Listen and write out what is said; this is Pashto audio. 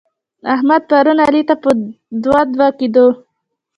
احمد؛ پرون علي ته په دوه دوه کېدو.